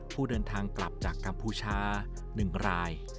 ผู้เดินทางกลับจากกัมพูชา๑ราย